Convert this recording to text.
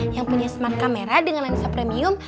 yang punya smart kamera dengan lensa premium